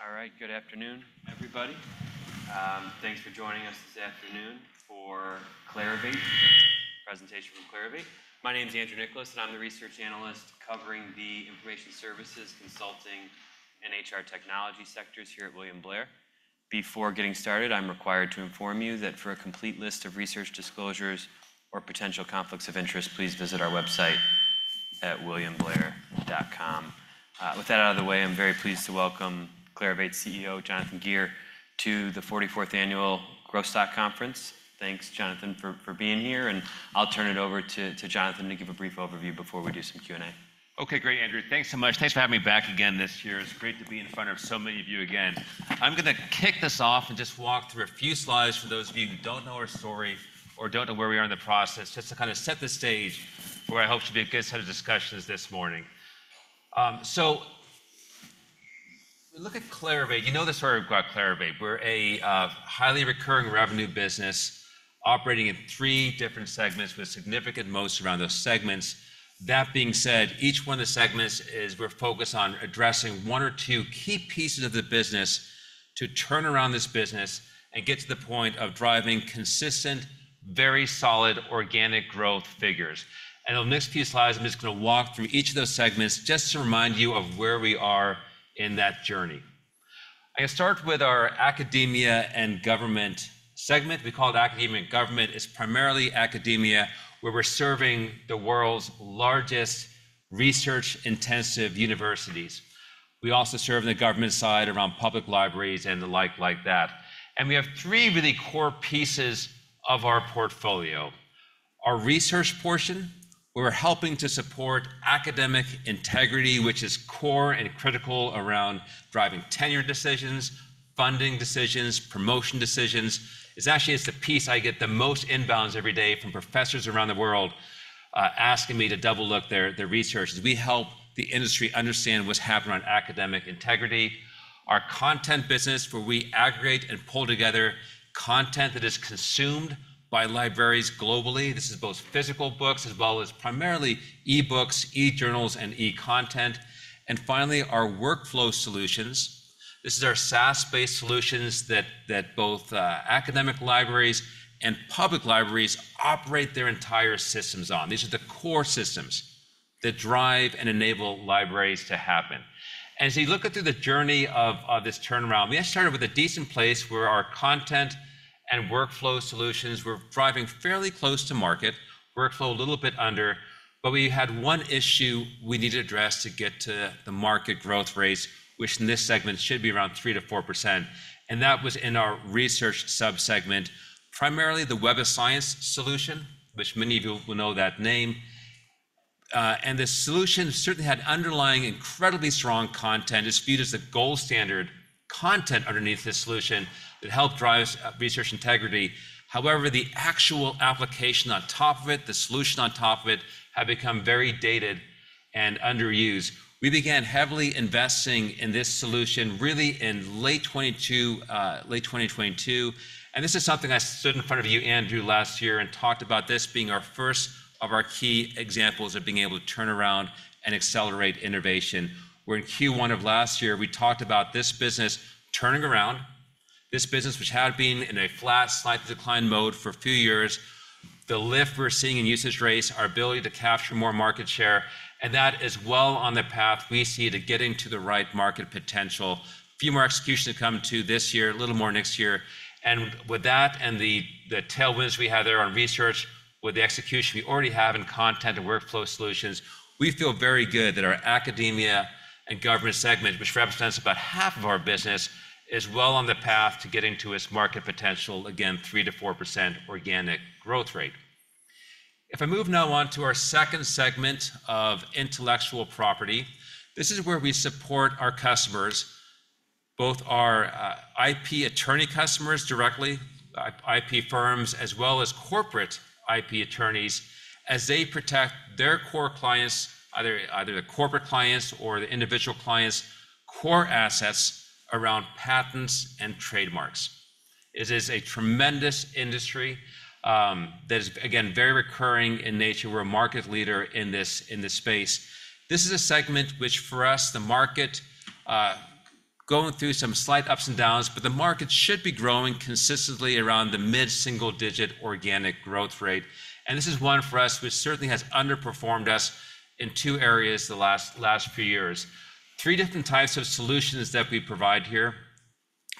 All right. Good afternoon, everybody. Thanks for joining us this afternoon for Clarivate presentation from Clarivate. My name is Andrew Nicholas, and I'm the research analyst covering the information services, consulting, and HR technology sectors here at William Blair. Before getting started, I'm required to inform you that for a complete list of research disclosures or potential conflicts of interest, please visit our website at williamblair.com. With that out of the way, I'm very pleased to welcome Clarivate CEO, Jonathan Gear, to the 44th Annual Growth Stock Conference. Thanks, Jonathan, for being here, and I'll turn it over to Jonathan to give a brief overview before we do some Q&A. Okay, great, Andrew. Thanks so much. Thanks for having me back again this year. It's great to be in front of so many of you again. I'm gonna kick this off and just walk through a few slides for those of you who don't know our story or don't know where we are in the process, just to kind of set the stage for what I hope should be a good set of discussions this morning. So we look at Clarivate. You know the story about Clarivate. We're a highly recurring revenue business operating in three different segments with significant moats around those segments. That being said, each one of the segments is we're focused on addressing one or two key pieces of the business to turn around this business and get to the point of driving consistent, very solid organic growth figures. On the next few slides, I'm just gonna walk through each of those segments just to remind you of where we are in that journey. I'm gonna start with our Academia and Government segment. We call it Academia and Government. It's primarily academia, where we're serving the world's largest research-intensive universities. We also serve the government side around public libraries and the like like that. And we have three really core pieces of our portfolio. Our research portion, we're helping to support academic integrity, which is core and critical around driving tenure decisions, funding decisions, promotion decisions. It's actually, it's the piece I get the most inbounds every day from professors around the world, asking me to double-check their research, as we help the industry understand what's happening on academic integrity. Our content business, where we aggregate and pull together content that is consumed by libraries globally. This is both physical books as well as primarily e-books, e-journals, and e-content. And finally, our workflow solutions. This is our SaaS-based solutions that both academic libraries and public libraries operate their entire systems on. These are the core systems that drive and enable libraries to happen. As you look at through the journey of this turnaround, we got started with a decent place where our content and workflow solutions were driving fairly close to market, workflow a little bit under, but we had one issue we needed to address to get to the market growth rates, which in this segment should be around 3%-4%, and that was in our research sub-segment, primarily the Web of Science solution, which many of you will know that name. And this solution certainly had underlying incredibly strong content. It's viewed as the gold standard content underneath this solution that helped drive research integrity. However, the actual application on top of it, the solution on top of it, had become very dated and underused. We began heavily investing in this solution really in late 2022, late 2022, and this is something I stood in front of you, Andrew, last year and talked about this being our first of our key examples of being able to turn around and accelerate innovation. Where in Q1 of last year, we talked about this business turning around, this business which had been in a flat, slight decline mode for a few years. The lift we're seeing in usage rates, our ability to capture more market share, and that is well on the path we see to getting to the right market potential. A few more executions to come to this year, a little more next year. With that and the tailwinds we have there on research, with the execution we already have in content and workflow solutions, we feel very good that our Academia and Government segment, which represents about half of our business, is well on the path to getting to its market potential, again, 3%-4% organic growth rate. If I move now on to our second segment of Intellectual Property, this is where we support our customers, both our IP attorney customers directly, IP firms, as well as corporate IP attorneys, as they protect their core clients, either the corporate clients or the individual clients' core assets around patents and trademarks. It is a tremendous industry that is, again, very recurring in nature. We're a market leader in this space. This is a segment which, for us, the market, going through some slight ups and downs, but the market should be growing consistently around the mid-single-digit organic growth rate. This is one for us, which certainly has underperformed us in two areas the last few years. Three different types of solutions that we provide here.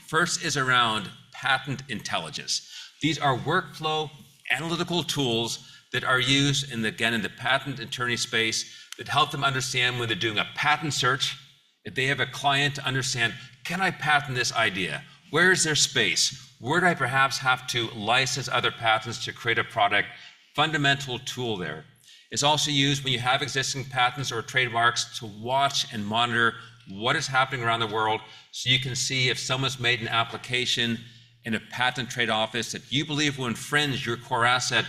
First is around Patent Intelligence. These are workflow analytical tools that are used in the, again, in the patent attorney space that help them understand when they're doing a patent search, if they have a client to understand, "Can I patent this idea? Where is there space? Where do I perhaps have to license other patents to create a product?" Fundamental tool there. It's also used when you have existing patents or trademarks to watch and monitor what is happening around the world. So you can see if someone's made an application in a patent trade office that you believe will infringe your core asset,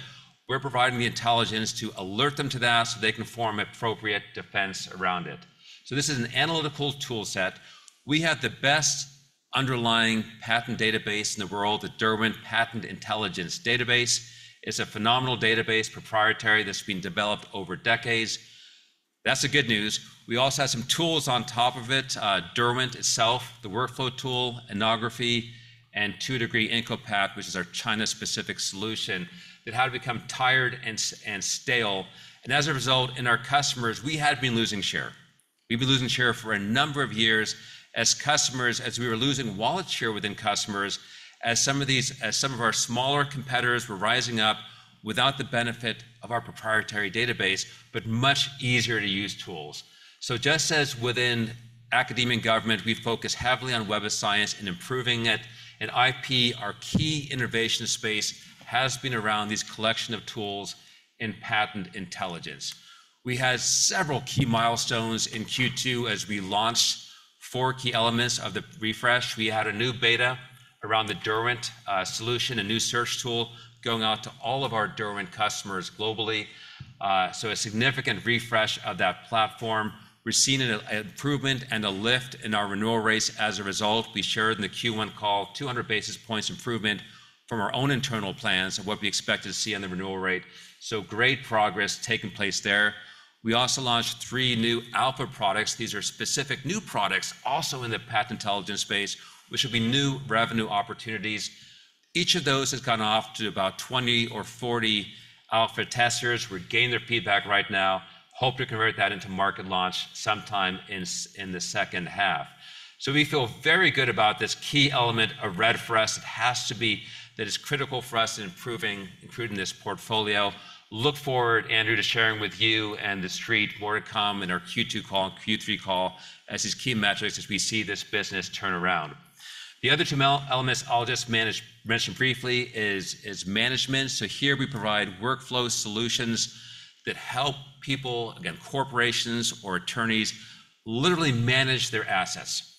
we're providing the intelligence to alert them to that so they can form appropriate defense around it. So this is an analytical tool set. We have the best underlying patent database in the world, the Derwent Patent Intelligence database. It's a phenomenal database, proprietary, that's been developed over decades. That's the good news. We also have some tools on top of it, Derwent itself, the workflow tool, Innography, and IncoPat, which is our China-specific solution, that had become tired and stale. And as a result, in our customers, we had been losing share. We'd been losing share for a number of years as customers, as we were losing wallet share within customers, as some of these, as some of our smaller competitors were rising up without the benefit of our proprietary database, but much easier to use tools. So just as within Academia and Government, we focus heavily on Web of Science and improving it. In IP, our key innovation space has been around these collection of tools in patent intelligence. We had several key milestones in Q2 as we launched four key elements of the refresh. We had a new beta around the Derwent solution, a new search tool going out to all of our Derwent customers globally. So a significant refresh of that platform. We're seeing an improvement and a lift in our renewal rates as a result. We shared in the Q1 call, 200 basis points improvement from our own internal plans of what we expected to see on the renewal rate. So great progress taking place there. We also launched 3 new alpha products. These are specific new products, also in the patent intelligence space, which will be new revenue opportunities. Each of those has gone off to about 20 or 40 alpha testers. We're getting their feedback right now, hope to convert that into market launch sometime in the second half. So we feel very good about this key element of revenue for us. It has to be... That is critical for us in improving, improving this portfolio. Look forward, Andrew, to sharing with you and the street more to come in our Q2 call and Q3 call as these key metrics, as we see this business turn around. The other two elements I'll just mention briefly is management. So here we provide workflow solutions that help people, again, corporations or attorneys, literally manage their assets.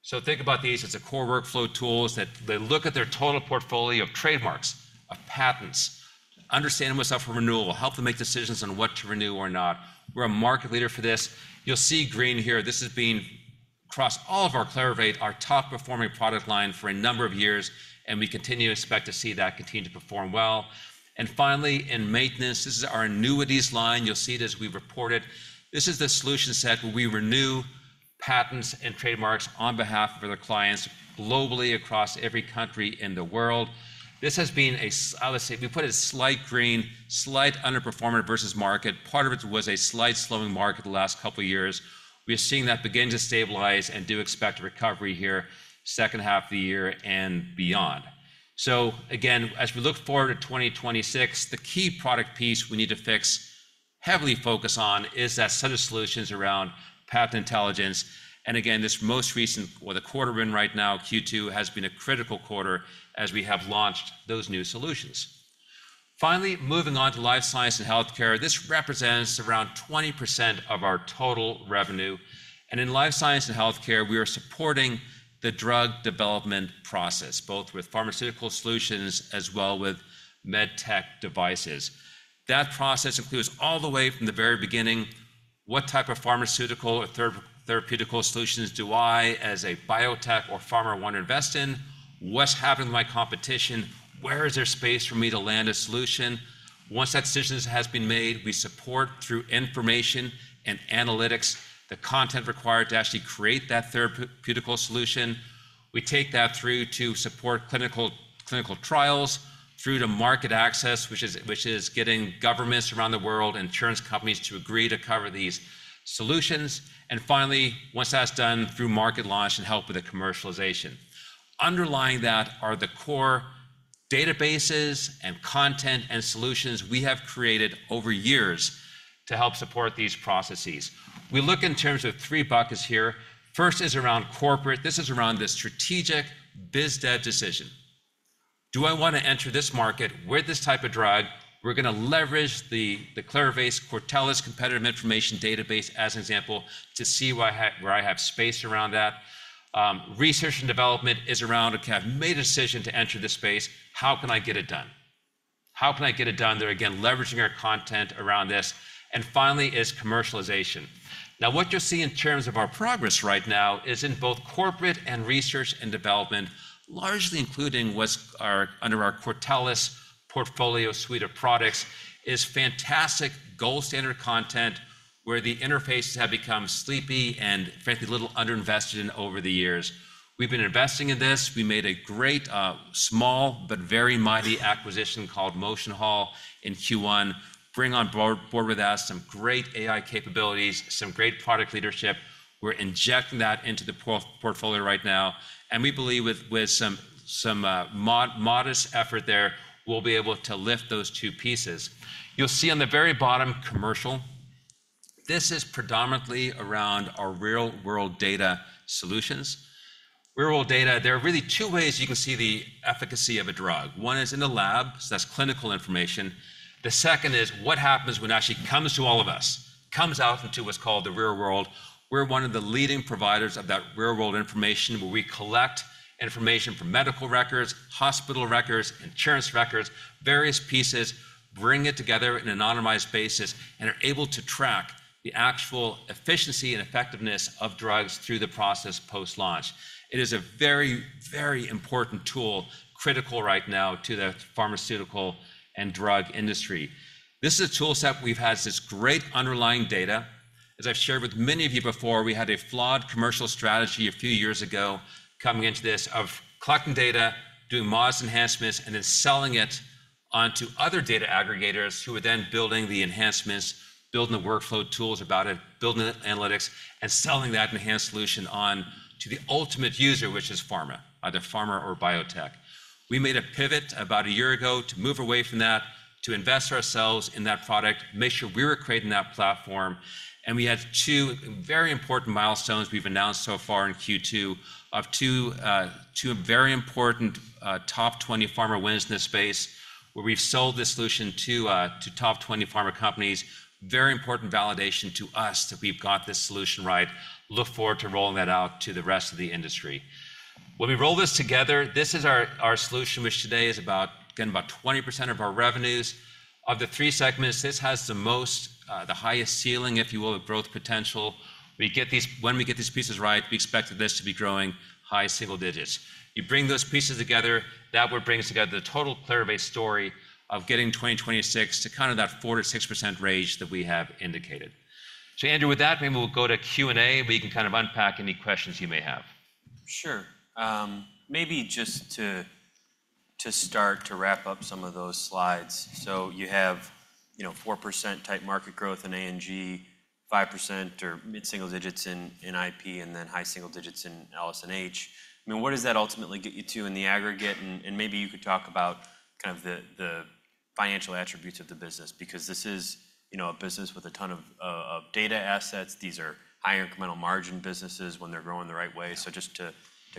So think about these as the core workflow tools that they look at their total portfolio of trademarks, of patents, understand what's up for renewal, help them make decisions on what to renew or not. We're a market leader for this. You'll see green here. This has been across all of our Clarivate, our top-performing product line for a number of years, and we continue to expect to see that continue to perform well. Finally, in maintenance, this is our annuities line. You'll see it as we've reported. This is the solution set where we renew patents and trademarks on behalf of the clients globally, across every country in the world. This has been a, I would say, if we put a slight green, slight underperformer versus market, part of it was a slight slowing market the last couple of years. We are seeing that begin to stabilize and do expect a recovery here, second half of the year and beyond. So again, as we look forward to 2026, the key product piece we need to fix, heavily focus on, is that set of solutions around Patent Intelligence. And again, this most recent, or the quarter we're in right now, Q2, has been a critical quarter as we have launched those new solutions. Finally, moving on to Life Sciences and Healthcare. This represents around 20% of our total revenue. And in Life Science and Healthcare, we are supporting the drug development process, both with pharmaceutical solutions as well with MedTech devices. That process includes all the way from the very beginning, what type of pharmaceutical or therapeutic solutions do I, as a biotech or pharma, want to invest in? What's happening with my competition? Where is there space for me to land a solution? Once that decision has been made, we support, through information and analytics, the content required to actually create that therapeutic solution. We take that through to support clinical trials, through to market access, which is getting governments around the world, insurance companies, to agree to cover these solutions. And finally, once that's done, through market launch and help with the commercialization. Underlying that are the core databases and content and solutions we have created over years to help support these processes. We look in terms of three buckets here. First is around corporate. This is around the strategic biz dev decision. Do I want to enter this market with this type of drug? We're gonna leverage the Clarivate Cortellis competitive information database, as an example, to see where I have space around that. Research and development is around, "Okay, I've made a decision to enter this space. How can I get it done? How can I get it done?" They're, again, leveraging our content around this. And finally, is commercialization. Now, what you'll see in terms of our progress right now is in both corporate and research and development, largely including what's under our Cortellis portfolio suite of products, is fantastic gold standard content, where the interfaces have become sleepy and frankly, a little underinvested in over the years. We've been investing in this. We made a great small but very mighty acquisition called MotionHall in Q1, bringing on board with us some great AI capabilities, some great product leadership. We're injecting that into the portfolio right now, and we believe with some modest effort there, we'll be able to lift those two pieces. You'll see on the very bottom, commercial. This is predominantly around our real-world data solutions. Real-world data, there are really two ways you can see the efficacy of a drug. One is in the lab, so that's clinical information. The second is what happens when it actually comes to all of us, comes out into what's called the real world. We're one of the leading providers of that real-world information, where we collect information from medical records, hospital records, insurance records, various pieces, bring it together in an anonymized basis, and are able to track the actual efficiency and effectiveness of drugs through the process post-launch. It is a very, very important tool, critical right now to the pharmaceutical and drug industry. This is a tool set where we've had this great underlying data... as I've shared with many of you before, we had a flawed commercial strategy a few years ago coming into this of collecting data, doing modest enhancements, and then selling it onto other data aggregators who were then building the enhancements, building the workflow tools about it, building the analytics, and selling that enhanced solution on to the ultimate user, which is pharma, either pharma or biotech. We made a pivot about a year ago to move away from that, to invest ourselves in that product, make sure we were creating that platform, and we have two very important milestones we've announced so far in Q2 of 2022, two very important, top 20 pharma wins in this space, where we've sold this solution to, to top 20 pharma companies. Very important validation to us that we've got this solution right. Look forward to rolling that out to the rest of the industry. When we roll this together, this is our, our solution, which today is about, again, about 20% of our revenues. Of the three segments, this has the most, the highest ceiling, if you will, of growth potential. We get these. When we get these pieces right, we expect this to be growing high single digits. You bring those pieces together, that would bring us together the total Clarivate story of getting 2026 to kind of that 4%-6% range that we have indicated. So, Andrew, with that, maybe we'll go to Q&A, where you can kind of unpack any questions you may have. Sure. Maybe just to start to wrap up some of those slides. So you have, you know, 4% type market growth in A&G, 5% or mid-single digits in IP, and then high single digits in LSNH. I mean, what does that ultimately get you to in the aggregate? And maybe you could talk about kind of the financial attributes of the business, because this is, you know, a business with a ton of data assets. These are higher incremental margin businesses when they're growing the right way. So just to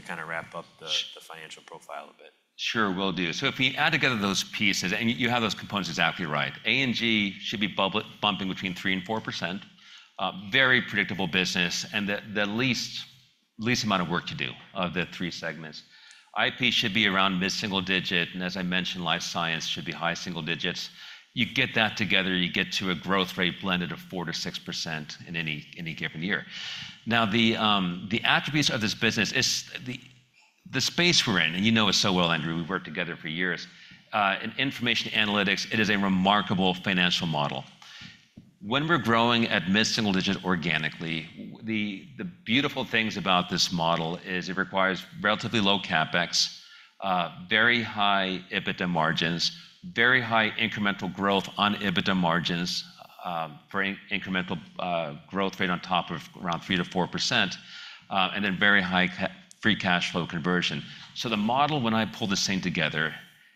kinda wrap up the- Sure... the financial profile a bit. Sure, will do. So if we add together those pieces, and you, you have those components exactly right. A&G should be bobbing between 3% and 4%. Very predictable business, and the, the least, least amount of work to do of the three segments. IP should be around mid-single digit, and as I mentioned, life science should be high single digits. You get that together, you get to a growth rate blended of 4%-6% in any, any given year. Now, the attributes of this business is the, the space we're in, and you know it so well, Andrew, we've worked together for years. In information analytics, it is a remarkable financial model. When we're growing at mid-single digit organically, the beautiful things about this model is it requires relatively low CapEx, very high EBITDA margins, very high incremental growth on EBITDA margins, very incremental growth rate on top of around 3%-4%, and then very high free cash flow conversion. So the model, when I pull this thing together,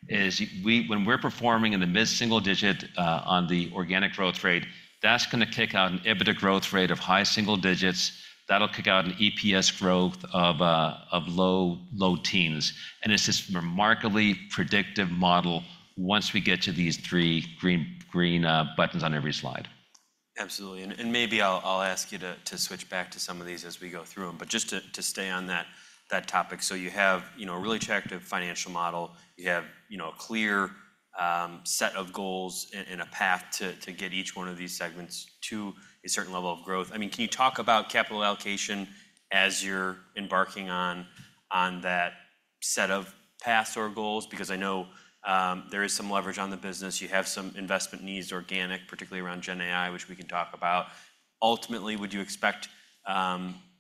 is when we're performing in the mid-single digit on the organic growth rate, that's gonna kick out an EBITDA growth rate of high single digits. That'll kick out an EPS growth of low teens. And it's this remarkably predictive model once we get to these three green buttons on every slide. Absolutely. And maybe I'll ask you to switch back to some of these as we go through them. But just to stay on that topic, so you have, you know, a really attractive financial model. You have, you know, a clear set of goals and a path to get each one of these segments to a certain level of growth. I mean, can you talk about capital allocation as you're embarking on that set of paths or goals? Because I know there is some leverage on the business. You have some investment needs, organic, particularly around gen AI, which we can talk about. Ultimately, would you expect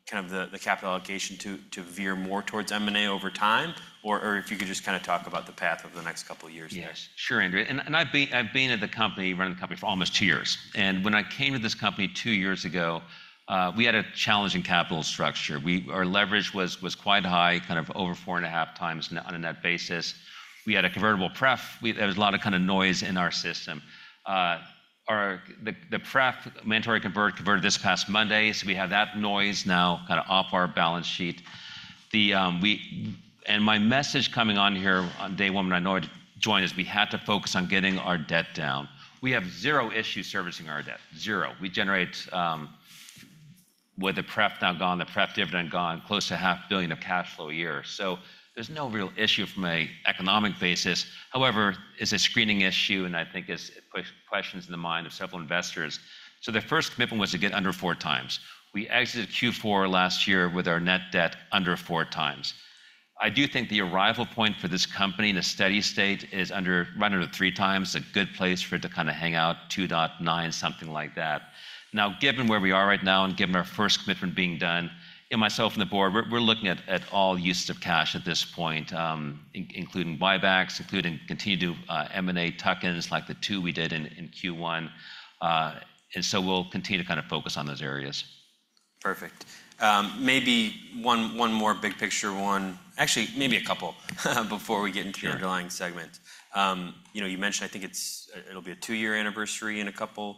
kind of the capital allocation to veer more towards M&A over time? Or if you could just kinda talk about the path over the next couple of years there. Yes. Sure, Andrew. And I've been at the company, running the company for almost two years. And when I came to this company two years ago, we had a challenging capital structure. Our leverage was quite high, kind of over 4.5 times on a net basis. We had a convertible pref. There was a lot of kind of noise in our system. Our, the pref, mandatory convert, converted this past Monday, so we have that noise now kind of off our balance sheet. And my message coming on here on day one, when I joined, is we had to focus on getting our debt down. We have zero issues servicing our debt. Zero. We generate, with the pref now gone, the pref dividend gone, close to $500 million of cash flow a year. So there's no real issue from an economic basis. However, it's a screening issue, and I think it puts questions in the mind of several investors. So the first commitment was to get under 4x. We exited Q4 last year with our net debt under 4x. I do think the arrival point for this company in a steady state is right under 3x, a good place for it to kinda hang out, 2.9, something like that. Now, given where we are right now and given our first commitment being done, and myself and the board, we're looking at all uses of cash at this point, including buybacks, including continue to M&A tuck-ins, like the two we did in Q1. And so we'll continue to kind of focus on those areas. Perfect. Maybe one more big picture one, actually, maybe a couple before we get into- Sure... your underlying segments. You know, you mentioned, I think it's, it'll be a two-year anniversary in a couple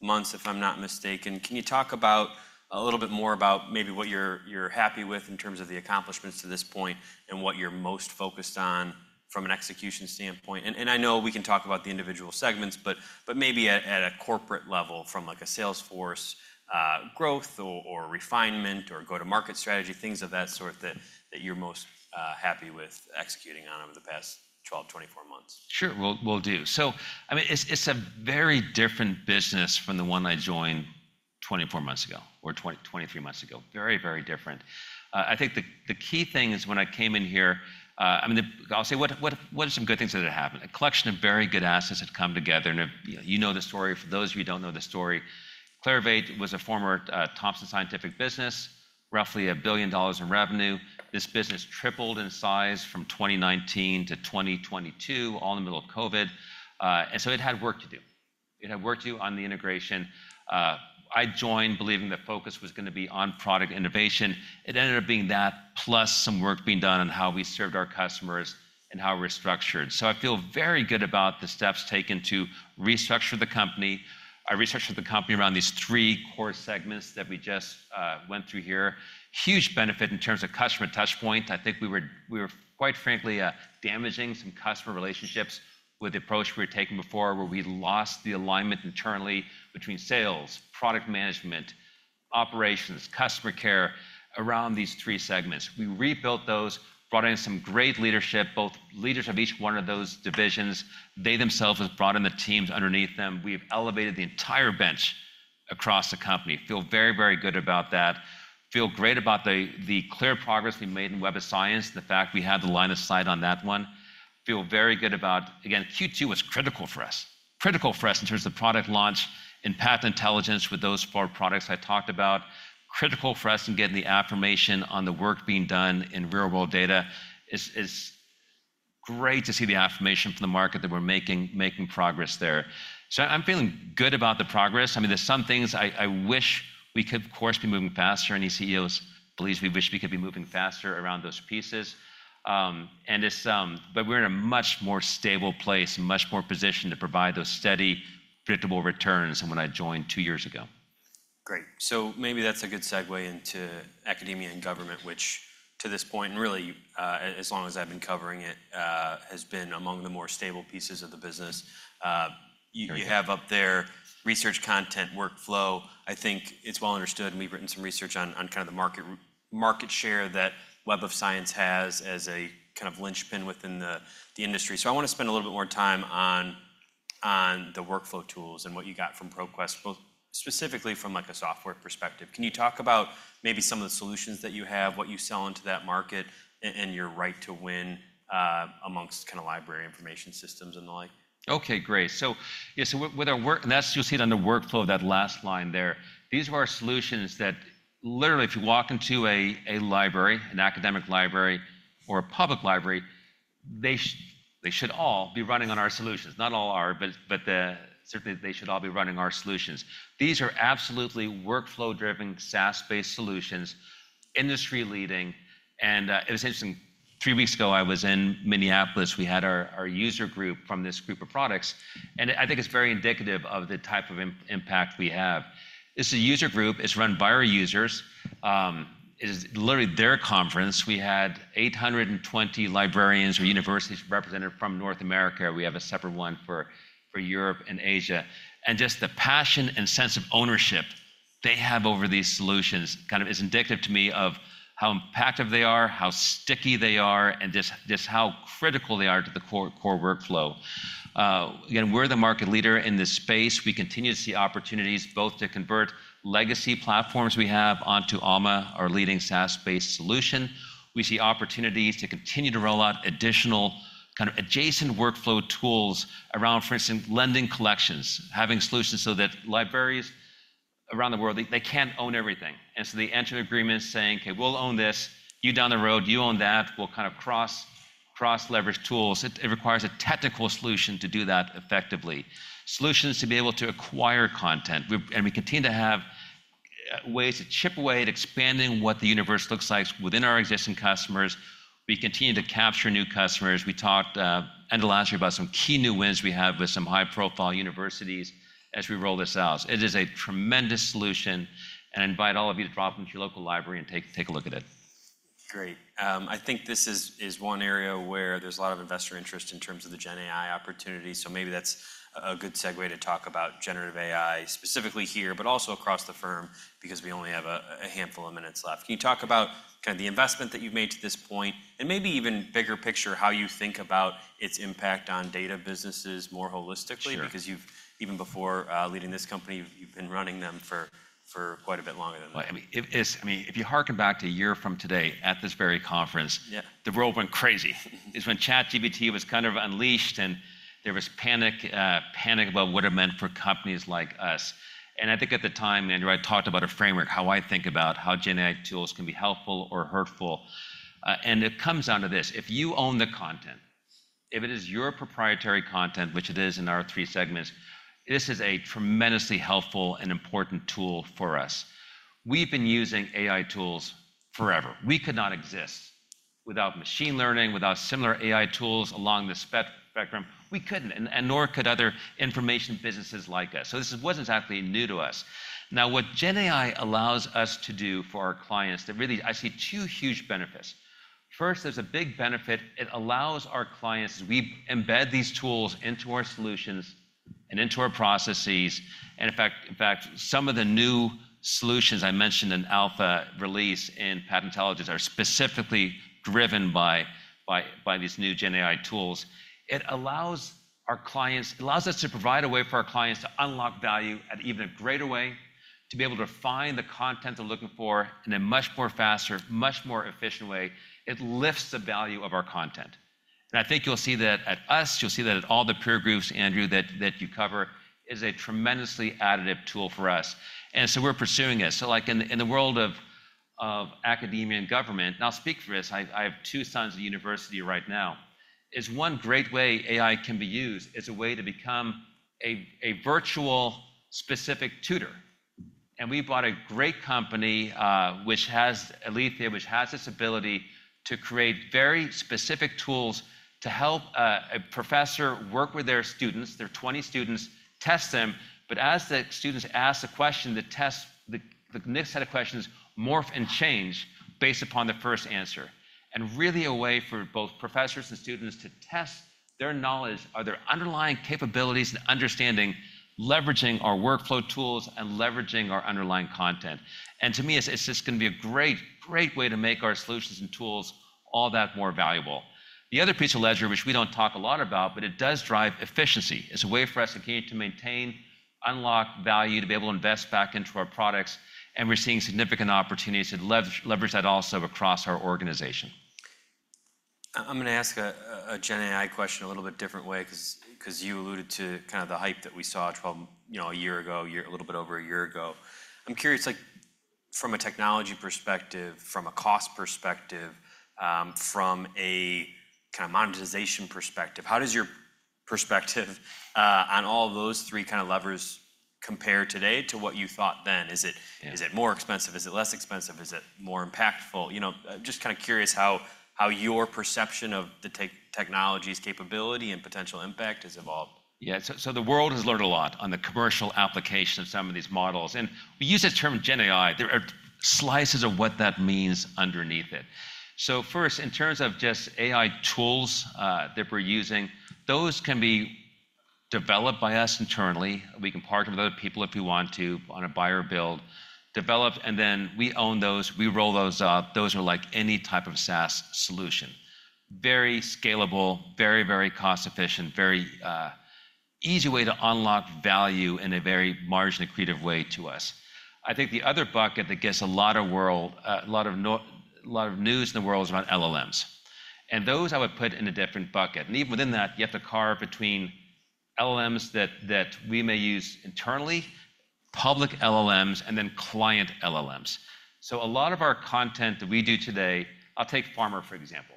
months, if I'm not mistaken. Can you talk about a little bit more about maybe what you're, you're happy with in terms of the accomplishments to this point, and what you're most focused on from an execution standpoint? And I know we can talk about the individual segments, but maybe at a corporate level, from, like, a sales force growth or refinement or go-to-market strategy, things of that sort, that you're most happy with executing on over the past 12, 24 months. Sure, will do. So I mean, it's a very different business from the one I joined 24 months ago, or 23 months ago. Very, very different. I think the key thing is when I came in here, I mean, I'll say, what are some good things that have happened? A collection of very good assets had come together, and, you know the story. For those of you who don't know the story, Clarivate was a former Thomson Scientific business... roughly $1 billion in revenue. This business tripled in size from 2019 to 2022, all in the middle of COVID. And so it had work to do. It had work to do on the integration. I joined believing that focus was gonna be on product innovation. It ended up being that, plus some work being done on how we served our customers and how we're structured. So I feel very good about the steps taken to restructure the company. I restructured the company around these three core segments that we just went through here. Huge benefit in terms of customer touch point. I think we were, quite frankly, damaging some customer relationships with the approach we were taking before, where we lost the alignment internally between sales, product management, operations, customer care, around these three segments. We rebuilt those, brought in some great leadership, both leaders of each one of those divisions. They themselves have brought in the teams underneath them. We've elevated the entire bench across the company. Feel very, very good about that. Feel great about the clear progress we made in Web of Science, the fact we had the line of sight on that one. Feel very good about. Again, Q2 was critical for us. Critical for us in terms of product launch, Patent intelligence with those four products I talked about. Critical for us in getting the affirmation on the work being done in real-world data. It's great to see the affirmation from the market that we're making progress there. So I'm feeling good about the progress. I mean, there's some things I wish we could, of course, be moving faster, any CEO believes we wish we could be moving faster around those pieces. But we're in a much more stable place and much more positioned to provide those steady, predictable returns than when I joined two years ago. Great. So maybe that's a good segue into Academia and Government, which, to this point, and really, as long as I've been covering it, has been among the more stable pieces of the business. Yeah... you have up there research, content, workflow. I think it's well understood, and we've written some research on kind of the market share that Web of Science has as a kind of linchpin within the industry. So I want to spend a little bit more time on the workflow tools and what you got from ProQuest, both specifically from, like, a software perspective. Can you talk about maybe some of the solutions that you have, what you sell into that market and your right to win amongst kind of library information systems and the like? Okay, great. So, yeah, so with our work— And that's, you'll see it under workflow, that last line there. These are our solutions that literally, if you walk into a library, an academic library or a public library, they should all be running on our solutions. Not all are, but, but, certainly they should all be running our solutions. These are absolutely workflow-driven, SaaS-based solutions, industry-leading. And, it was interesting, three weeks ago, I was in Minneapolis. We had our user group from this group of products, and I think it's very indicative of the type of impact we have. It's a user group. It's run by our users. It is literally their conference. We had 820 librarians or universities represented from North America. We have a separate one for Europe and Asia. Just the passion and sense of ownership they have over these solutions kind of is indicative to me of how impactful they are, how sticky they are, and just, just how critical they are to the core, core workflow. Again, we're the market leader in this space. We continue to see opportunities both to convert legacy platforms we have onto Alma, our leading SaaS-based solution. We see opportunities to continue to roll out additional kind of adjacent workflow tools around, for instance, lending collections, having solutions so that libraries around the world, they, they can't own everything. And so they enter an agreement saying: "Okay, we'll own this. You down the road, you own that. We'll kind of cross, cross-leverage tools." It, it requires a technical solution to do that effectively. Solutions to be able to acquire content. We continue to have ways to chip away at expanding what the universe looks like within our existing customers. We continue to capture new customers. We talked end of last year about some key new wins we have with some high-profile universities as we roll this out. It is a tremendous solution, and I invite all of you to drop into your local library and take a look at it. Great. I think this is one area where there's a lot of investor interest in terms of the Gen AI opportunity. So maybe that's a good segue to talk about generative AI, specifically here, but also across the firm, because we only have a handful of minutes left. Can you talk about kind of the investment that you've made to this point, and maybe even bigger picture, how you think about its impact on data businesses more holistically? Sure. Because you've even before leading this company, you've been running them for quite a bit longer than that. Well, I mean, I mean, if you harken back to a year from today at this very conference- Yeah... the world went crazy. It's when ChatGPT was kind of unleashed, and there was panic about what it meant for companies like us. And I think at the time, Andrew, I talked about a framework, how I think about how Gen AI tools can be helpful or hurtful. And it comes down to this: if you own the content, if it is your proprietary content, which it is in our three segments, this is a tremendously helpful and important tool for us. We've been using AI tools forever. We could not exist without machine learning, without similar AI tools along the spectrum. We couldn't, and nor could other information businesses like us. So this wasn't exactly new to us. Now, what Gen AI allows us to do for our clients, there really I see two huge benefits. First, there's a big benefit. It allows our clients, as we embed these tools into our solutions and into our processes, and in fact, some of the new solutions I mentioned in alpha release in Patent Intelligence are specifically driven by these new Gen AI tools. It allows our clients—it allows us to provide a way for our clients to unlock value at even a greater way, to be able to find the content they're looking for in a much more faster, much more efficient way. It lifts the value of our content... and I think you'll see that at us, you'll see that at all the peer groups, Andrew, that you cover, is a tremendously additive tool for us. And so we're pursuing it. So like in the world of Academia and Government, and I'll speak for this, I have two sons at university right now, one great way AI can be used is a way to become a virtual specific tutor. And we bought a great company, which has Alethea, which has this ability to create very specific tools to help a professor work with their students, their 20 students, test them. But as the students ask the question, the next set of questions morph and change based upon the first answer. And really a way for both professors and students to test their knowledge or their underlying capabilities and understanding, leveraging our workflow tools and leveraging our underlying content. To me, it's, it's just going to be a great, great way to make our solutions and tools all that more valuable. The other piece of Ledger, which we don't talk a lot about, but it does drive efficiency, is a way for us to continue to maintain, unlock value, to be able to invest back into our products, and we're seeing significant opportunities to leverage that also across our organization. I'm going to ask a Gen AI question a little bit different way, 'cause you alluded to kind of the hype that we saw 12... You know, a year ago, a year, a little bit over a year ago. I'm curious, like, from a technology perspective, from a cost perspective, from a kind of monetization perspective, how does your perspective on all those three kind of levers compare today to what you thought then? Yeah. Is it, is it more expensive? Is it less expensive? Is it more impactful? You know, just kind of curious how your perception of the technology's capability and potential impact has evolved. The world has learned a lot on the commercial application of some of these models. We use the term Gen AI. There are slices of what that means underneath it. First, in terms of just AI tools that we're using, those can be developed by us internally. We can partner with other people if we want to on a buy or build, develop, and then we own those, we roll those out. Those are like any type of SaaS solution. Very scalable, very, very cost efficient, very easy way to unlock value in a very margin-accretive way to us. I think the other bucket that gets a lot of noise in the world is around LLMs, and those I would put in a different bucket. And even within that, you have to carve between LLMs that we may use internally, public LLMs, and then client LLMs. So a lot of our content that we do today, I'll take pharma, for example.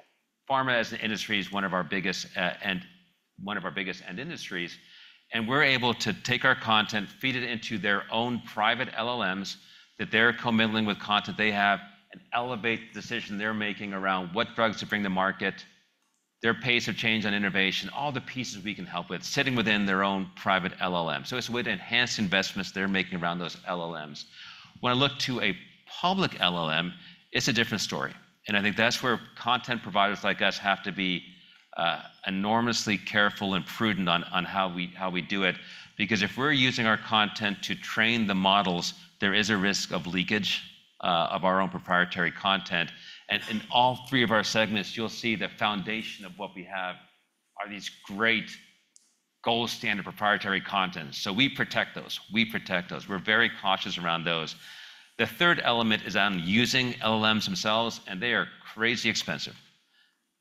Pharma as an industry is one of our biggest end industries, and we're able to take our content, feed it into their own private LLMs, that they're co-mingling with content they have, and elevate the decision they're making around what drugs to bring to market, their pace of change and innovation, all the pieces we can help with, sitting within their own private LLM. So it's a way to enhance investments they're making around those LLMs. When I look to a public LLM, it's a different story, and I think that's where content providers like us have to be enormously careful and prudent on, on how we, how we do it. Because if we're using our content to train the models, there is a risk of leakage of our own proprietary content. And in all three of our segments, you'll see the foundation of what we have are these great gold standard proprietary content. So we protect those. We protect those. We're very cautious around those. The third element is on using LLMs themselves, and they are crazy expensive.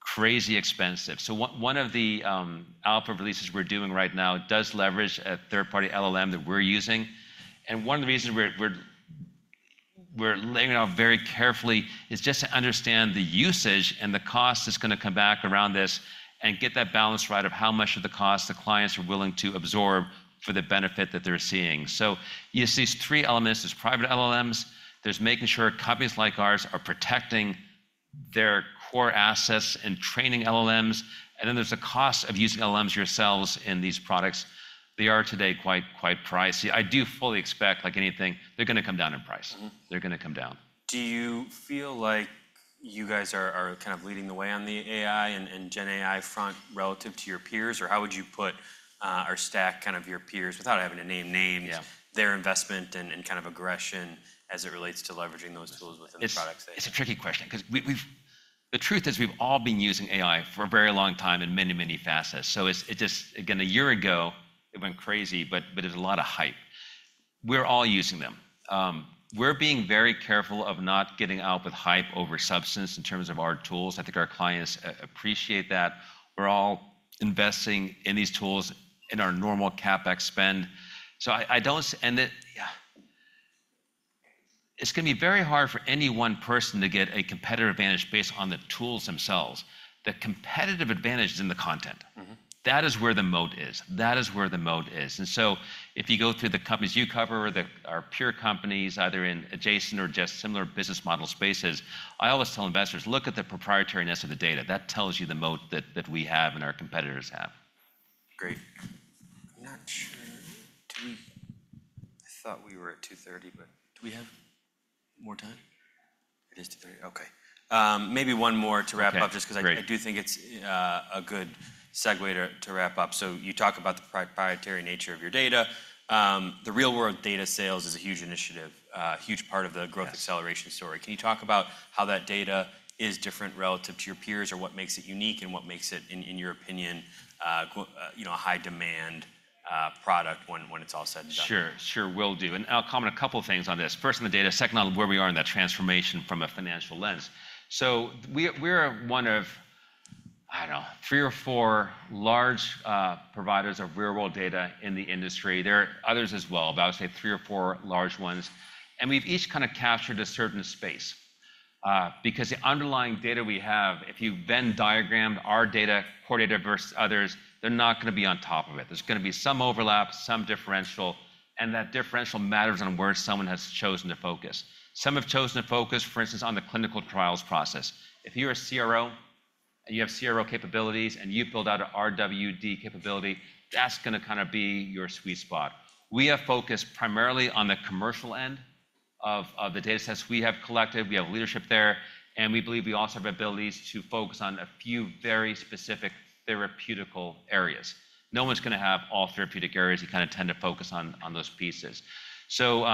Crazy expensive. So one, one of the output releases we're doing right now does leverage a third-party LLM that we're using. One of the reasons we're laying it out very carefully is just to understand the usage and the cost that's going to come back around this and get that balance right of how much of the cost the clients are willing to absorb for the benefit that they're seeing. You see three elements. There's private LLMs, there's making sure companies like ours are protecting their core assets and training LLMs, and then there's the cost of using LLMs yourselves in these products. They are today quite, quite pricey. I do fully expect, like anything, they're going to come down in price. They're going to come down. Do you feel like you guys are kind of leading the way on the AI and Gen AI front relative to your peers? Or how would you put our stack, kind of your peers, without having to name names- Yeah... their investment and kind of aggression as it relates to leveraging those tools within the products they have? It's a tricky question 'cause we've. The truth is we've all been using AI for a very long time in many, many facets. So it just... Again, a year ago, it went crazy, but there's a lot of hype. We're all using them. We're being very careful of not getting out with hype over substance in terms of our tools. I think our clients appreciate that. We're all investing in these tools in our normal CapEx spend. So I don't see and it, yeah, it's going to be very hard for any one person to get a competitive advantage based on the tools themselves. The competitive advantage is in the content. That is where the moat is. That is where the moat is. And so if you go through the companies you cover, that are pure companies, either in adjacent or just similar business model spaces, I always tell investors, "Look at the proprietariness of the data. That tells you the moat that, that we have and our competitors have. Great. I'm not sure. Do we… I thought we were at 2:30 P.M., but do we have more time? It is 2:30 P.M. Okay, maybe one more to wrap up- Okay, great... just because I do think it's a good segue to wrap up. So you talk about the proprietary nature of your data. The real-world data sales is a huge initiative, a huge part of the growth- Yes ...acceleration story. Can you talk about how that data is different relative to your peers, or what makes it unique, and what makes it, in your opinion, you know, a high demand product when it's all said and done? Sure, sure will do, and I'll comment a couple of things on this. First, on the data, second on where we are in that transformation from a financial lens. So we, we're one of, I don't know, three or four large providers of real-world data in the industry. There are others as well, but I would say three or four large ones, and we've each kind of captured a certain space. Because the underlying data we have, if you Venn diagrammed our data, core data versus others, they're not gonna be on top of it. There's gonna be some overlap, some differential, and that differential matters on where someone has chosen to focus. Some have chosen to focus, for instance, on the clinical trials process. If you're a CRO, and you have CRO capabilities, and you've built out an RWD capability, that's gonna kind of be your sweet spot. We have focused primarily on the commercial end of the datasets we have collected. We have leadership there, and we believe we also have abilities to focus on a few very specific therapeutic areas. No one's gonna have all therapeutic areas. You kind of tend to focus on those pieces. So,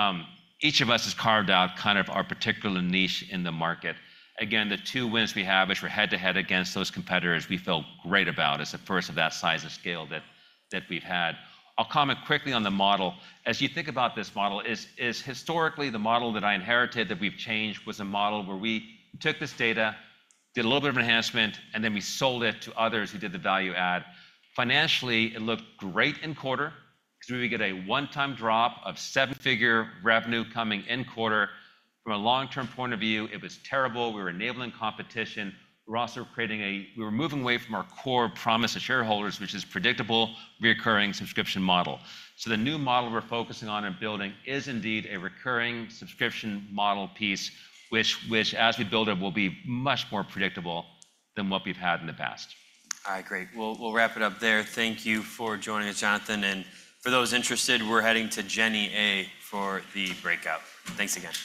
each of us has carved out kind of our particular niche in the market. Again, the two wins we have, which were head-to-head against those competitors, we feel great about as the first of that size of scale that we've had. I'll comment quickly on the model. As you think about this model, historically the model that I inherited, that we've changed, was a model where we took this data, did a little bit of enhancement, and then we sold it to others who did the value add. Financially, it looked great in quarter, because we would get a one-time drop of seven-figure revenue coming in quarter. From a long-term point of view, it was terrible. We were enabling competition. We were moving away from our core promise to shareholders, which is predictable, recurring subscription model. So the new model we're focusing on and building is indeed a recurring subscription model piece, which, as we build it, will be much more predictable than what we've had in the past. All right, great. We'll wrap it up there. Thank you for joining us, Jonathan, and for those interested, we're heading to Gen AI for the breakout. Thanks again.